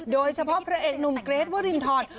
โดยเฉพาะพระเอกนุ่มเกรทวริมทร